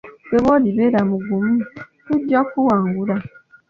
Ggwe w'oli beera mugumu, tujja kuwangula.